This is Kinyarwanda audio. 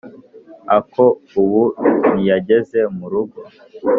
Ako ubu ntiyageze mu rugo